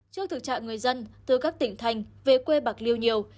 trước thực trạng người dân từ các tỉnh thành về quê bạc liêu nhiều